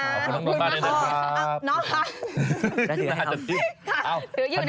ขอบคุณน้องนนท์มากครับ